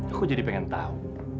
aku jadi pengen tahu